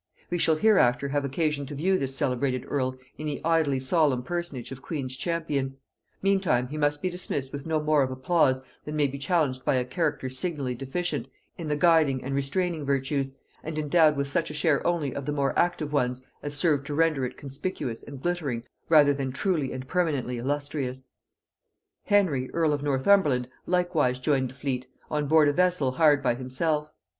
We shall hereafter have occasion to view this celebrated earl in the idly solemn personage of queen's champion; meantime, he must be dismissed with no more of applause than may be challenged by a character signally deficient in the guiding and restraining virtues, and endowed with such a share only of the more active ones as served to render it conspicuous and glittering rather than truly and permanently illustrious. Henry earl of Northumberland likewise joined the fleet, on board a vessel hired by himself.